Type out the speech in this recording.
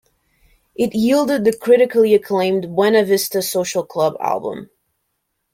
It yielded the critically acclaimed "Buena Vista Social Club" album.